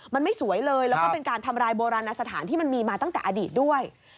มันไม่สวยเลยแล้วก็เป็นการทำลายโบราณสถานที่มันมีมาตั้งแต่อดีตด้วย